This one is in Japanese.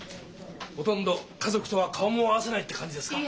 ほとんど家族とは顔も合わせないって感じですか？